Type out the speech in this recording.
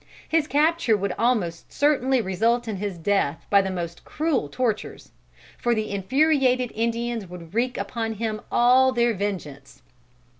His capture would almost certainly result in his death by the most cruel tortures; for the infuriated Indians would wreak upon him all their vengeance.